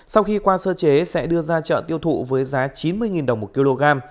sau khi qua sơ chế sẽ đưa ra chợ tiêu thụ với giá chín mươi đồng một kg